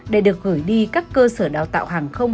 để được gửi đi các cơ sở đào tạo hàng không